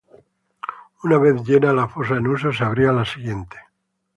Una vez llena la fosa en uso, se abría la siguiente.